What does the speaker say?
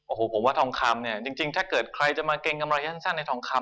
โอ้โหผมว่าทองคำเนี่ยจริงถ้าเกิดใครจะมาเกรงกำไรสั้นในทองคำ